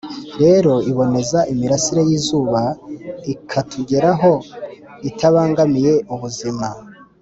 rero, iboneza imirasire y'izuba ikatugeraho itabangamiye ubuzima